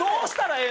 ええ！？